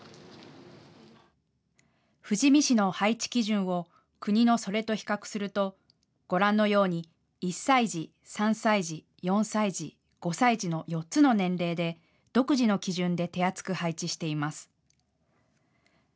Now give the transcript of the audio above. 富士見市の配置基準を国のそれと比較するとご覧のように１歳児、３歳児、４歳児、５歳児の４つの年齢で独自の基準で手厚く配置しています。